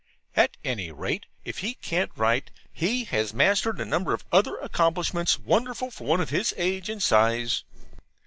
At any rate, if he can't write, he has mastered a number of other accomplishments wonderful for one of his age and size.